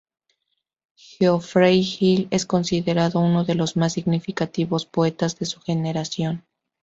Geoffrey Hill es considerado uno de los más significativos poetas de su generación.